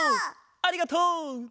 ありがとう！